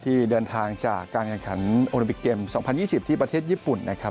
ที่เดินทางจากการแข่งขันโอลิปิกเกม๒๐๒๐ที่ประเทศญี่ปุ่นนะครับ